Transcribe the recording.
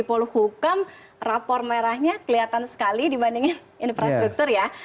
polo hukum rapor merahnya kelihatan sekali dibanding infrastruktur ya